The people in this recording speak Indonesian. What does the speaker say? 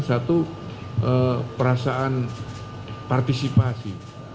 satu perasaan partisipasi